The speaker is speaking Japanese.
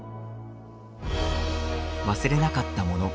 忘れなかったもの。